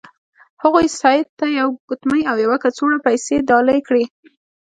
هغوی سید ته یوه ګوتمۍ او یوه کڅوړه پیسې ډالۍ کړې.